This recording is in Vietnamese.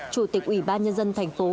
chủ tịch ủy ban nhân dân thành phố